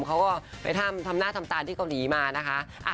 เขาก็ไปทำหน้าทำตาที่เกาหลีมานะคะ